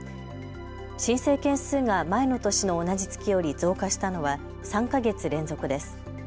申請件数が前の年の同じ月より増加したのは３か月連続です。